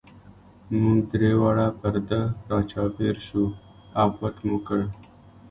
موږ درې واړه پر ده را چاپېر شو او پټ مو کړ.